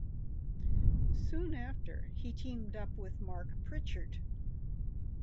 Soon after, he teamed up with Mark Pritchard.